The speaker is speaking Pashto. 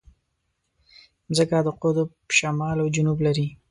مځکه د قطب شمال او جنوب لري.